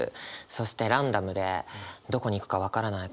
そしてランダムでどこに行くか分からない感じ。